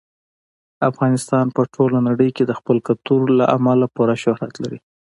افغانستان په ټوله نړۍ کې د خپل کلتور له امله پوره شهرت لري.